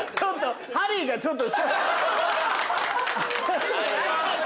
ハリーがちょっと。